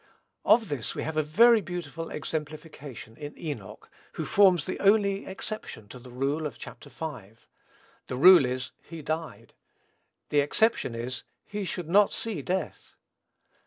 Of this we have a very beautiful exemplification in Enoch, who forms the only exception to the rule of Chap. V. The rule is, "he died;" the exception is, "he should not see death."